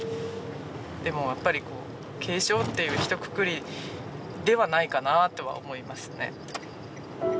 でもやっぱりこう軽傷っていうひとくくりではないかなとは思いますね。